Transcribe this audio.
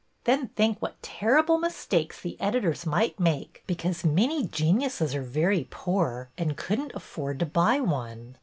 Then think what terrible mistakes the editors might make, because many geniuses are very poor and couldn't afford to buy one.